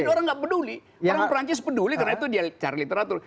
tapi orang nggak peduli orang perancis peduli karena itu dia cari literatur